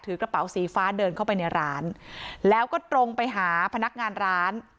กระเป๋าสีฟ้าเดินเข้าไปในร้านแล้วก็ตรงไปหาพนักงานร้าน